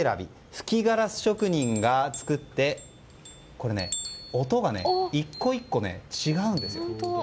吹きガラス職人が作ってこれ、音が１個１個違うんですよ。